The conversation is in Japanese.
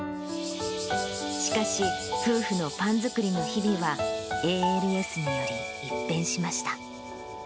しかし、夫婦のパン作りの日々は、ＡＬＳにより一変しました。